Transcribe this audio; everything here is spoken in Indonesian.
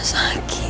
tidak tidak tidak